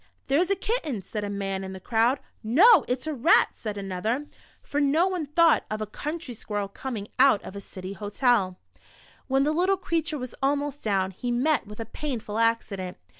" There 's a kitten," said a man in the crowd. ''No, it's a rat." said another, for no one I lo What the Squirrel Did for Richard. thought of a country squirrel coming out of a city hotel. When the little creature was almost down, he met with a painful accident.